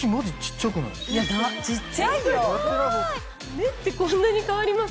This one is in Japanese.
目ってこんなに変わります？